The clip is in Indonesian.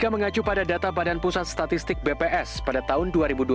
mengacu pada data badan pusat statistik bps pada tahun dua ribu dua puluh